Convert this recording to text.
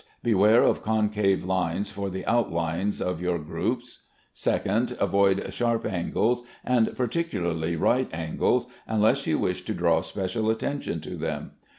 Beware of concave lines for the outlines of your groups. 2d. Avoid sharp angles, and particulary right angles, unless you wish to draw special attention to them.